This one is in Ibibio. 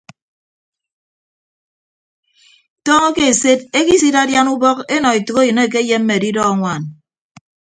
Tọọñọ ke eset ekesidadian ubọk enọ etәkeyịn akeyemme adidọ anwaan.